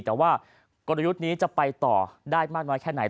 แต่ว่ากลยุทธ์นี้จะไปต่อได้มากน้อยแค่ไหน